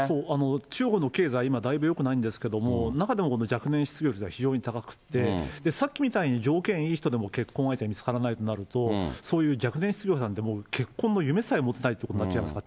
中国の経済、今、だいぶよくないんですけれども、中でも若年失業率が非常に高くて、さっきみたいに条件いい人でも結婚相手が見つからないというと、そういう若年失業者なんて、結婚の夢さえ持てないってことになっ